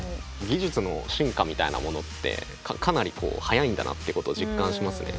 技術の進化みたいなものってかなりこう速いんだなということを実感しますね。